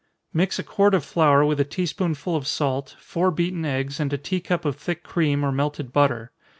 _ Mix a quart of flour with a tea spoonful of salt, four beaten eggs, and a tea cup of thick cream, or melted butter.